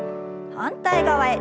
反対側へ。